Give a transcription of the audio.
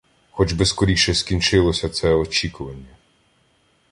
Хоч би скоріше скінчилося це очікування!